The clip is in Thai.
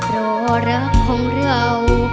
รอรักของเรา